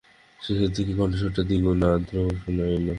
শেষের দিকে কণ্ঠস্বরটা দ্বিগুণ আর্দ্র শুনাইল।